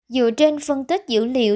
dựa trên phân tích dữ liệu